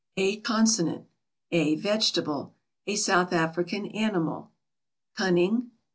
A consonant. A vegetable. A South African animal. Cunning.